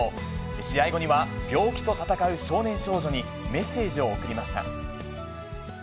試合後には病気と闘う少年少女に、メッセージを送りました。